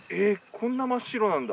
こんな真っ白なんだ。